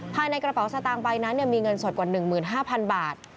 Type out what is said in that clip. ภายในกระเป๋าสตางค์ใบนั้นมีเงินสดกว่า๑๕๐๐๐บาท